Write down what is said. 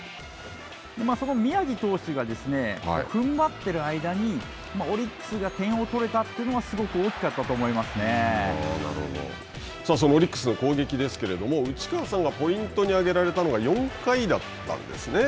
その宮城投手が、ふんばっている間にオリックスが、点を取れたというのはそのオリックスの攻撃ですけれども、内川さんがポイントに挙げられたのが４回だったんですね。